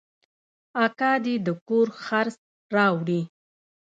اکا دې د کور خرڅ راوړي.